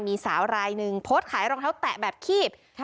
มีสาวรายหนึ่งโพสต์ขายรองเท้าแตะแบบคีบ